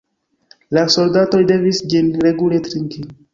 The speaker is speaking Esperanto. La soldatoj devis ĝin regule trinki.